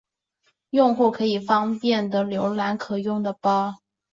用户可以方便的浏览可用的包。